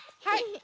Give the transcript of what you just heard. はい。